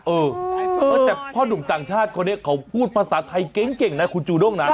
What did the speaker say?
เออแต่พ่อหนุ่มต่างชาติคนนี้เขาพูดภาษาไทยเก่งนะคุณจูด้งนะ